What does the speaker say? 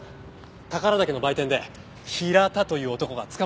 宝良岳の売店でヒラタという男が捕まってます。